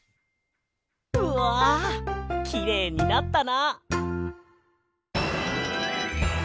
うわきれいになったな！